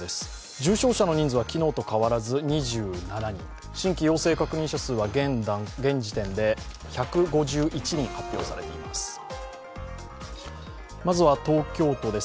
重症者の人数は昨日と変わらず２７人、新規陽性確認者数は現時点で１５１人発表されています。